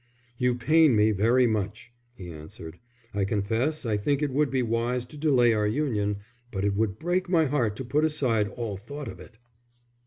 "You pain me very much," he answered. "I confess I think it would be wise to delay our union, but it would break my heart to put aside all thought of it."